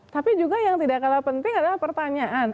tapi juga yang tidak kalah penting adalah pertanyaan